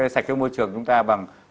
sạch cái môi trường chúng ta bằng